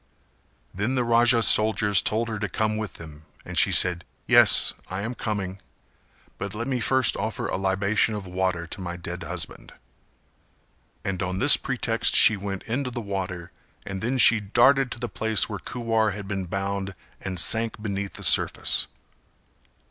Then the Raja's soldiers told her to come with them and she said "Yes, I am coming, but let me first offer a libation of water to my dead husband;" and on this pretext she went into the water and then she darted to the place where Kuwar had been bound and sank beneath the surface.